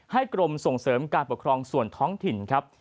กรมส่งเสริมการปกครองส่วนท้องถิ่นครับ